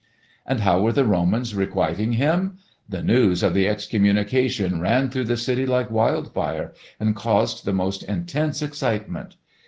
And how were the Romans requiting him? The news of the excommunication ran through the city like wildfire, and caused the most intense excitement.